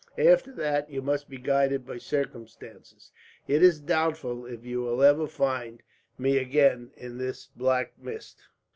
After that, you must be guided by circumstances. It is doubtful if you will ever find me again, in this black mist."